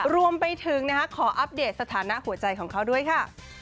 รวมไปถึงขออัปเดตสถานะหัวใจของเขาด้วยค่ะ